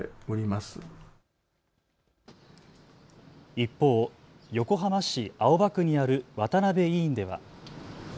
一方、横浜市青葉区にある渡辺医院では。